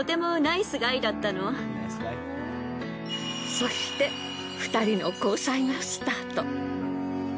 そして２人の交際がスタート。